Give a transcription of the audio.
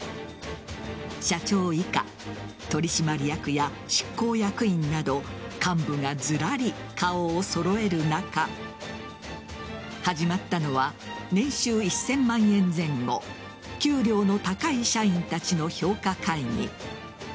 社長以下、取締役や執行役員など幹部がズラリ、顔を揃える中始まったのは年収１０００万円前後給料の高い社員たちの評価会議。